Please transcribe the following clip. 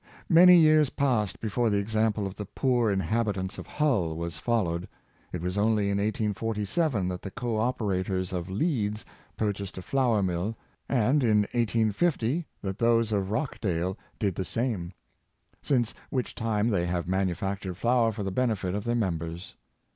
Many years passed before the example of the " poor inhabitants " of Hull was followed. It was only in 1847 that the co operators of Leeds purchased a flour mill, and in 1850 that those of Rochdale did the same; since which time they have manufactured flour for the benefit of their members.